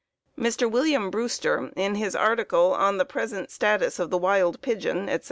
Mr. William Brewster, in his article "On the Present Status of the Wild Pigeon," etc.